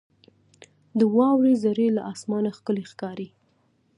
• د واورې ذرې له اسمانه ښکلي ښکاري.